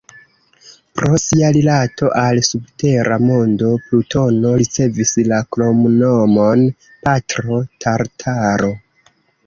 Pro sia rilato al subtera mondo, Plutono ricevis la kromnomon "Patro Tartaro".